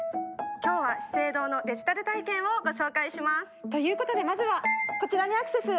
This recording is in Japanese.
今日は資生堂のデジタル体験をご紹介します！ということでまずはこちらにアクセス！